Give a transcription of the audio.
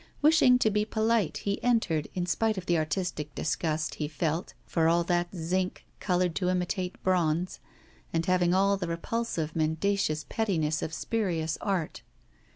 Wishing to be polite, he entered, in spite of the artistic disgust he felt for all that zinc, coloured to imitate bronze, and having all the repulsive mendacious prettiness of spurious art.